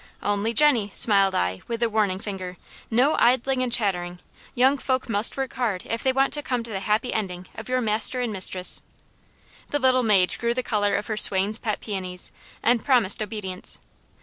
"Only, Jenny," smiled I, with a warning finger, "no idling and chattering. Young folk must work hard if they want to come to the happy ending of your master and mistress." The little maid grew the colour of her swain's pet peonies, and promised obedience.